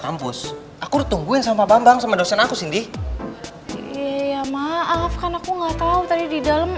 kampus aku tungguin sama babang sama dosen aku cindy iya maaf kan aku nggak tahu tadi di dalam